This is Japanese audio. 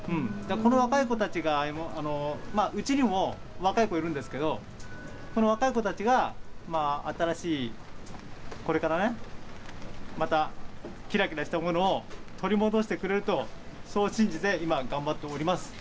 この若い子たちが、うちにも若い子いるんですけれども、その若い子たちが、新しいこれからね、また、きらきらしたものを取り戻してくれると、そう信じて、今、頑張っております。